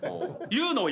言うのを！